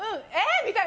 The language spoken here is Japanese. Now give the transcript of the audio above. みたいな。